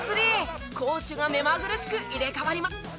攻守が目まぐるしく入れ替わります。